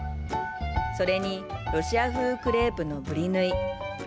それにロシア風クレープのブリヌイ。